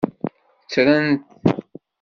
Ttren-t.